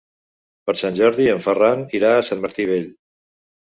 Per Sant Jordi en Ferran irà a Sant Martí Vell.